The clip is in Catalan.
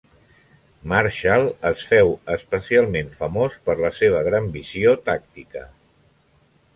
Marshall es féu especialment famós per la seva gran visió tàctica.